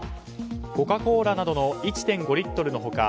コカ・コーラなどの１．５リットルの他